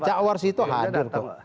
cak warsi itu hadir kok